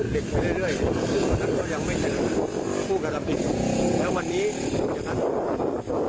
ลืมเข้ามาแล้วพัดเหยื่อนะคะ